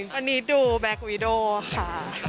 วันนี้ดูแบล็กวีโดว์ค่ะ